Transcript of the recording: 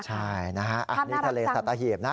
ใช่นะฮะอันนี้ทะเลสัตหีบนะ